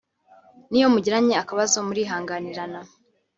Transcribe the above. niyo mugiranye akabazo murihanganirana